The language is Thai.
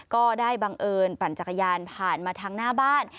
บังเอิญปั่นจักรยานผ่านมาทางหน้าบ้าน